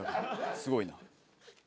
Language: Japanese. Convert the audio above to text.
すごいな。